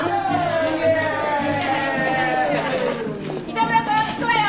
糸村くん行くわよ！